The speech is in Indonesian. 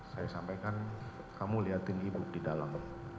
saya sampaikan kamu lihatin ibu di dalam